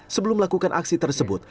sebelum melakukan aksi tersebut